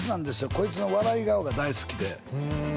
こいつの笑い顔が大好きでふん